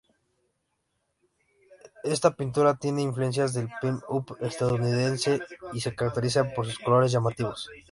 Esta pintura tiene influencias del pin-up estadounidense y se caracteriza por sus colores llamativos.